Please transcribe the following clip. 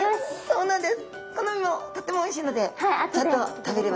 そうなんです。